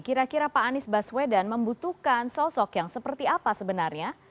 kira kira pak anies baswedan membutuhkan sosok yang seperti apa sebenarnya